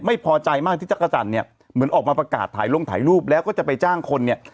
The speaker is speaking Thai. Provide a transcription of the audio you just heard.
ไม่พอใจมากที่จักรจันทร์เนี่ยเหมือนออกมาประกาศถ่ายลงถ่ายรูปแล้วก็จะไปจ้างคนเนี่ย